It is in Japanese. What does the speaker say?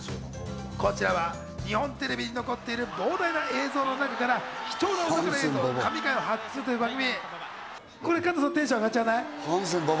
こちらは日本テレビに残っている膨大な映像の中から、貴重なお宝映像、神回を発掘するという番組。